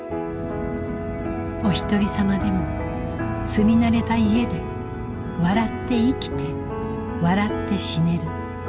おひとりさまでも住み慣れた家で笑って生きて笑って死ねる。